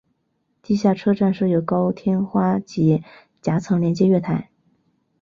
地下车站设有高天花及夹层连接月台。